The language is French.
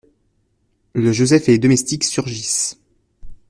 Le Joseph et les domestiques surgissent.